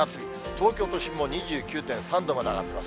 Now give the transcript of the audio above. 東京都心も２９．３度まで上がってます。